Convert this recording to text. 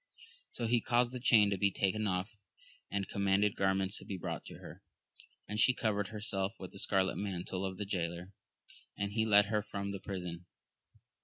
So he caused the chain to be taken off, and commanded garments to be brought her, and she covered herself with the scarlet mantle of the jaylor, and he led her from the prison.